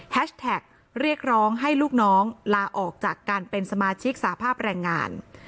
แท็กเรียกร้องให้ลูกน้องลาออกจากการเป็นสมาชิกสภาพแรงงาน